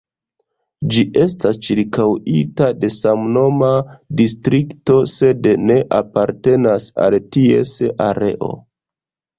Ĝi estas ĉirkaŭita de samnoma distrikto, sed ne apartenas al ties areo.